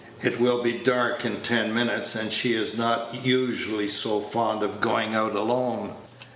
"It will be dark in ten minutes, and she is not usually so fond of going out alone."